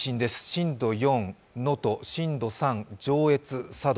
震度４、能登、震度３、上越・佐渡。